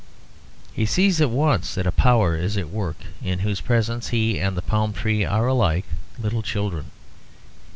He sees at once that a power is at work in whose presence he and the palm tree are alike little children.